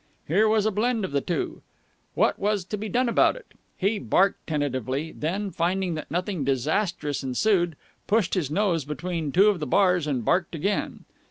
Here was a blend of the two. What was to be done about it? He barked tentatively, then, finding that nothing disastrous ensued, pushed his nose between two of the bars and barked again.